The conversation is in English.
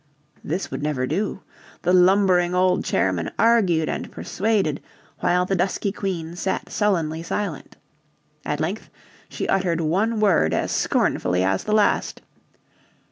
This would never do. The lumbering old chairman argued and persuaded, while the dusky Queen sat sullenly silent. At length she uttered one word as scornfully as the last.